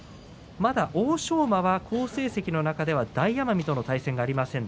まだ欧勝馬は好成績の中では大奄美との対戦がありません。